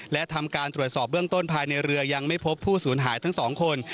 และทำการตรวจสอบเบื้องต้นภายในเรือยังไม่พบผู้สูญหายทั้งสองคน